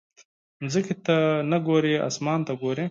ځمکې ته نه ګورې، اسمان ته ګورې.